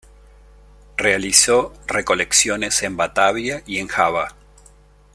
Realizó recolecciones en Batavia y en Java